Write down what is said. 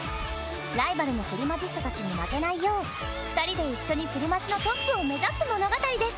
ライバルのプリマジスタたちに負けないよう２人で一緒にプリマジのトップを目指す物語です。